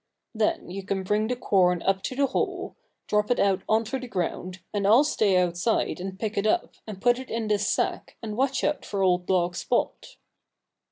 Then you can bring the corn up to the hole, drop it out onto the ground, and I'll stay outside and pick it up and put it in this sack and watch out for old dog Spot."